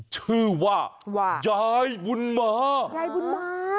ชื่อว่ายายบุญมา